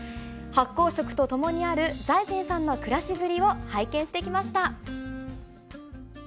発酵食とともにある財前さんの暮らしぶりを拝見してきました。